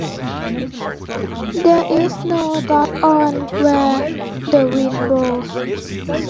There is no doubt on where the wind blows.